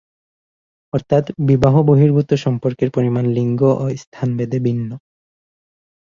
অর্থাৎ বিবাহ বহির্ভূত সম্পর্কের পরিমাণ লিঙ্গ ও স্থানভেদে ভিন্ন।